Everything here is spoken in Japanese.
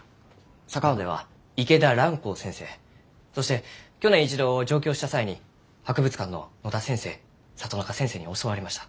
佐川では池田蘭光先生そして去年一度上京した際に博物館の野田先生里中先生に教わりました。